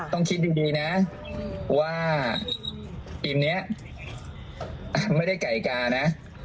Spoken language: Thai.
ต้องคิดดีนะว่าทีมนี้ไม่ได้ไก่กานะ